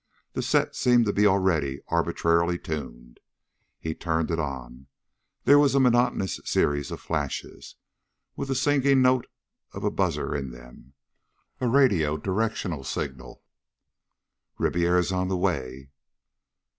The set seemed to be already arbitrarily tuned. He turned it on. There was a monotonous series of flashes, with the singing note of a buzzer in them. A radio direction signal. "Ribiera's on the way."